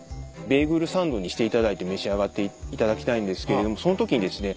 ベーグルサンドにしていただいて召し上がっていただきたいんですけれどもそのときにですね